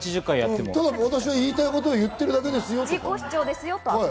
ただ、私は言いたいことを言ってるだけですよと。